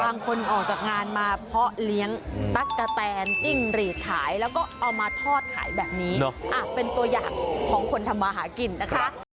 ออกจากงานมาเพาะเลี้ยงตั๊กกะแตนจิ้งหรีดขายแล้วก็เอามาทอดขายแบบนี้เป็นตัวอย่างของคนทำมาหากินนะคะ